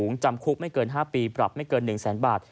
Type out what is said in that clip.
จำคุกไม่เกิน๕ปีปรับไม่เกิน๑แสนบาท